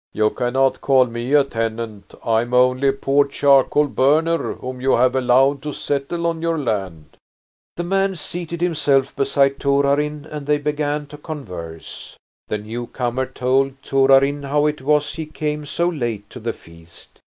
"You cannot call me a tenant. I am only a poor charcoal burner whom you have allowed to settle on your land." The man seated himself beside Torarin and they began to converse. The newcomer told Torarin how it was he came so late to the feast.